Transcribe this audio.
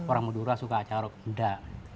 orang medora suka acara penda